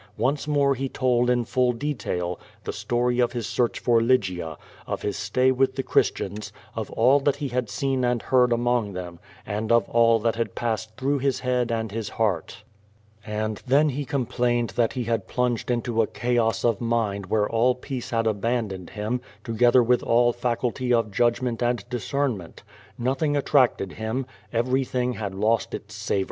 Once more he told in full de tail the story of his search for Lygia, of his stay with the Christians, of all that he had seen and heard among them and of all that had passed through his head and his heart. And then he complained that he had plunged into a chaos of mind where all peace had abandoned him, together with all faculty of judgment and discernment. Nothing attracted him. Everything had lost its savor.